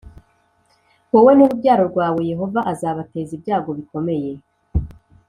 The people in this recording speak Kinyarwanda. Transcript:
wowe n’urubyaro rwawe Yehova azabateza ibyago bikomeye